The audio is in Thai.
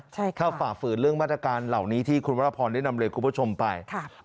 ถ้าฝ่าฝืนเรื่องมาตรการเหล่านี้ที่คุณวรพรได้นำเรียนคุณผู้ชมไป